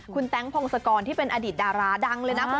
คุณแต๊งพงศกรที่เป็นอดีตดาราดังเลยนะ